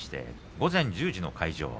午前１０時の開場。